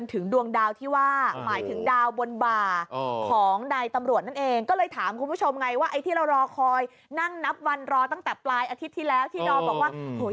เราเลยถามคุณผู้ชมไงว่าที่เรารอคอยนั่งนับวันรอตั้งแต่ปลายอาทิตย์ที่แล้วที่นอนบอกว่า